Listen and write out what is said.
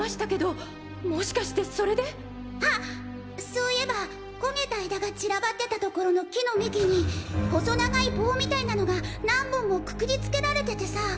そいえば焦げた枝が散らばってた所の木の幹に細長い棒みたいなのが何本もくくりつけられててさ。